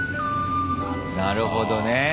なるほどね！